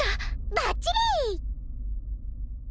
バッチリ！